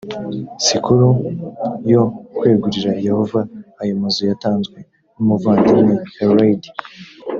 sikuru yo kwegurira yehova ayo mazu yatanzwe n umuvandimwe herd